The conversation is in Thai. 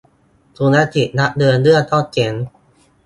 ธุรกิจรับเดินเรื่องก็เจ๊ง